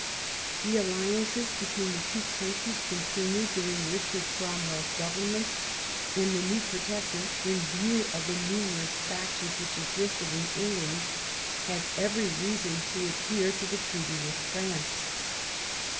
The alliance between the two countries con tinued during Eichard Cromwell's government, and the new Protector, in view of the numerous factions which existed in England, had every reason to adhere to the VIII THE PEACE OF THE PYRENEES 143 treaty with France.